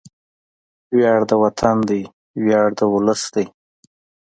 وياړ د وطن دی، ویاړ د ولس دی